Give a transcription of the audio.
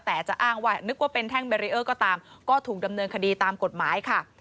แต่จะอ้างว่านึกว่าเป็นแท่งเบรีเออร์ก็ตามก็ถูกดำเนินคดีตามกฎหมายค่ะ